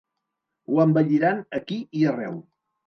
Ho embelliran aquí i arreu.